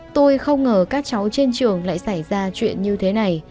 tôi không ngờ các cháu trên trường lại xảy ra chuyện như thế này